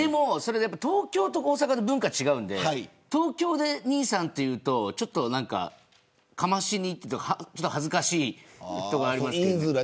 東京と大阪で文化が違うので東京で兄さんと言うとちょっとかましにいっているというか恥ずかしいところがあります。